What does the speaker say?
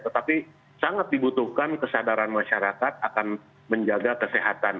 tetapi sangat dibutuhkan kesadaran masyarakat akan menjaga kesehatan